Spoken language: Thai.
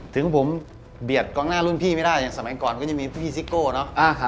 ถึงผมเบียดกองหน้ารุ่นพี่ไม่ได้อย่างสมัยก่อนก็จะมีพี่ซิโก้เนอะ